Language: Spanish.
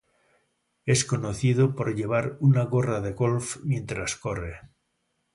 Es conocido por llevar una gorra de golf mientras corre.